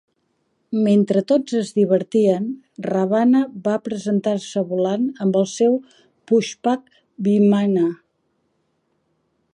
Mentre tots es divertien, Ravana va presentar-se volant amb el seu "pushpak vimana".